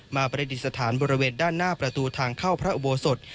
ประดิษฐานบริเวณด้านหน้าประตูทางเข้าพระอุโบสถ